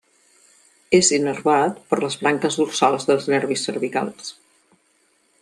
És innervat per les branques dorsals dels nervis cervicals.